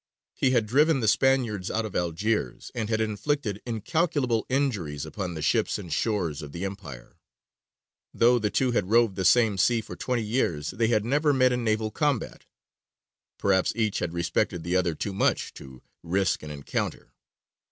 He had driven the Spaniards out of Algiers and had inflicted incalculable injuries upon the ships and shores of the Empire. Though the two had roved the same sea for twenty years, they had never met in naval combat: perhaps each had respected the other too much to risk an encounter.